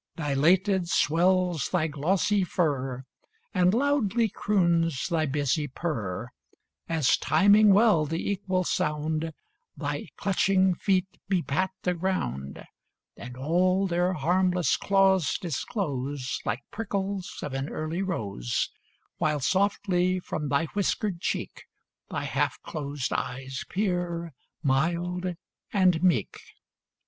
Dilated swells thy glossy fur, And loudly croons thy busy purr, As, timing well the equal sound, Thy clutching feet bepat the ground, And all their harmless claws disclose Like prickles of an early rose, While softly from thy whiskered cheek Thy half closed eyes peer, mild and meek.